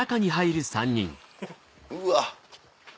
うわ。